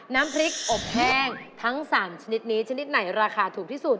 น้ำพริกอบแห้งทั้ง๓ชนิดนี้ชนิดไหนราคาถูกที่สุด